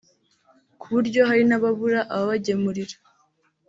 ku buryo hari n’ababura ababagemurira